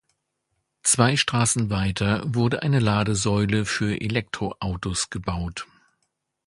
Zwei Straßen weiter wurde eine Ladesäule für Elektroautos gebaut.